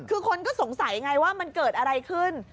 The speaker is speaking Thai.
คือคนก็สงสัยไงว่ามันเกิดอะไรขึ้น